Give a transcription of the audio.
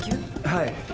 はい。